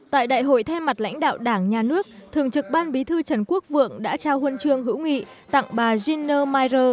tại đại hội thay mặt lãnh đạo đảng nhà nước thường trực ban bí thư trần quốc vượng đã trao huân trường hữu nghị tặng bà gina meyer